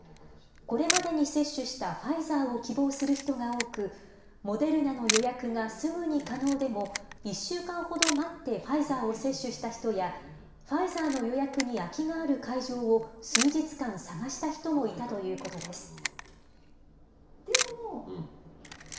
これまでに接種したファイザーを希望する人が多く、モデルナの予約がすぐに可能でも、１週間ほど待って、ファイザーを接種した人や、ファイザーの予約に空きがある会場を、数日間探した人もいたということです。